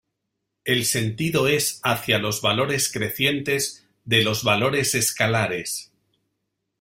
El sentido es hacia los valores crecientes de los valores escalares.